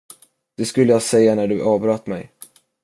Det skulle jag säga när du avbröt mig.